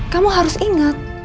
kamu harus ingat